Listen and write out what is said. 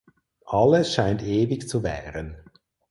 Alles scheint ewig zu währen.